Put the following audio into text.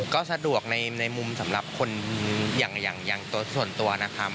ก็สะดวกในมุมสำหรับคนอย่างส่วนตัวนะคะ